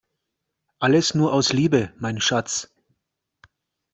Alles nur aus Liebe, mein Schatz!